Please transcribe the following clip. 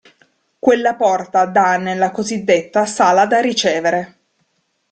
Quella porta dà nella cosiddetta sala da ricevere.